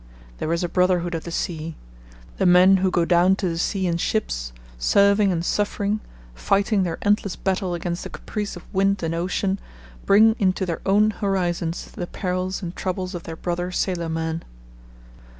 There is a brotherhood of the sea. The men who go down to the sea in ships, serving and suffering, fighting their endless battle against the caprice of wind and ocean, bring into their own horizons the perils and troubles of their brother sailormen.